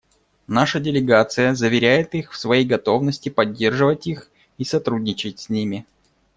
Наша делегация заверяет их в своей готовности поддерживать их и сотрудничать с ними.